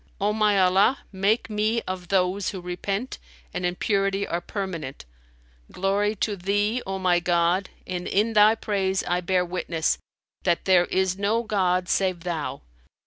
O my Allah, make me of those who repent and in purity are permanent! Glory to Thee, O my God, and in Thy praise I bear witness, that there is no god save Thou!